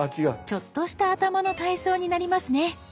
ちょっとした頭の体操になりますね。